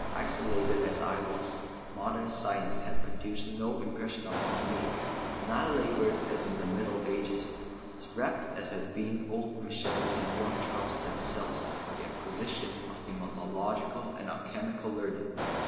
Isolated as I was, modern science had produced no impression upon me, and I laboured as in the Middle Ages, as wrapt as had been old Michel and young Charles themselves in the acquisition of demonological and alchemical learning.